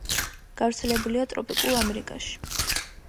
გავრცელებულია ტროპიკულ ამერიკაში.